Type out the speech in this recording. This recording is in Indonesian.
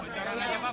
sekarang aja pak